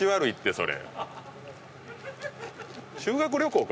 それ。